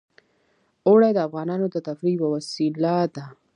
اوړي د افغانانو د تفریح یوه وسیله ده.